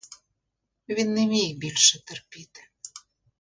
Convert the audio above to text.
Він не міг більше терпіти.